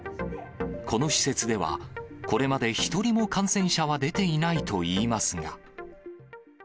この施設では、これまで一人も感染者は出ていないといいますが。